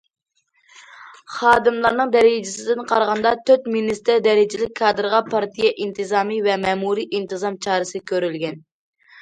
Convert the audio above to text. خادىملارنىڭ دەرىجىسىدىن قارىغاندا، تۆت مىنىستىر دەرىجىلىك كادىرغا پارتىيە ئىنتىزامى ۋە مەمۇرىي ئىنتىزام چارىسى كۆرۈلگەن.